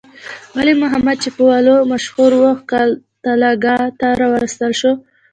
ولی محمد چې په ولو مشهور وو، قتلګاه ته راوستل شو.